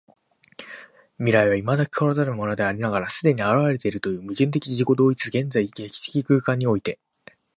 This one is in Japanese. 未来は未だ来らざるものでありながら既に現れているという矛盾的自己同一的現在（歴史的空間）において、